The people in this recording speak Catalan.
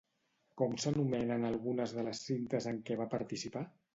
Com s'anomenen algunes de les cintes en què va participar?